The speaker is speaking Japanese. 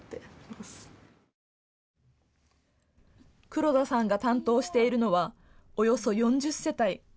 黒田さんが担当しているのはおよそ４０世帯。